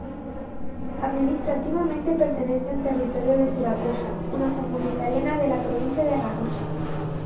Administrativamente pertenece al territorio de Siracusa, una comuna italiana de la provincia de Ragusa.